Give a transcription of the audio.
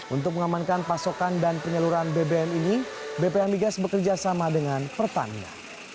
untuk mengamankan pasokan dan penyaluran bbm ini bph migas bekerja sama dengan pertamina